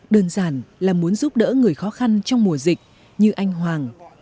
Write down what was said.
đơn giản là muốn giúp đỡ người khó khăn trong mùa dịch như anh hoàng